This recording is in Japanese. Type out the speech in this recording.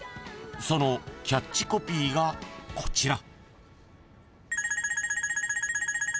［そのキャッチコピーがこちら］